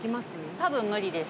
たぶん、無理です。